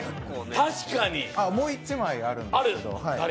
確かにもう一枚あるんですけどはいある？